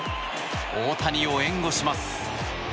大谷を援護します。